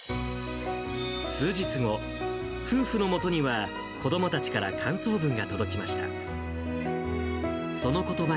数日後、夫婦のもとには子どもたちから感想文が届きました。